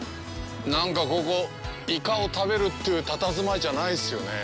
なんか、ここ、イカを食べるというたたずまいじゃないですよねぇ。